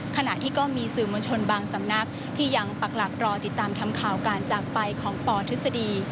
ขณะที่ก็มีสื่อมวลชนบางสำนักที่ยังปักหลักรอติดตามทำข่าวการจากไปของปทฤษฎี